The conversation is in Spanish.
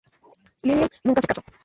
Lillian nunca se casó.